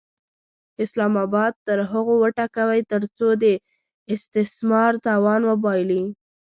اسلام اباد تر هغو وټکوئ ترڅو د استثمار توان وبایلي.